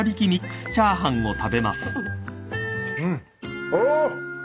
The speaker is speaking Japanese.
うん。